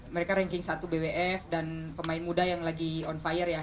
mereka ranking satu bwf dan pemain muda yang lagi on fire ya